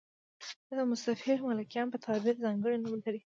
دا د مصطفی ملکیان په تعبیر ځانګړی نوم لري.